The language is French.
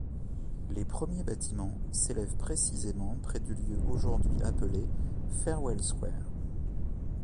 Les premiers bâtiments s'élèvent précisément près du lieu aujourd'hui appelé Farewell Square.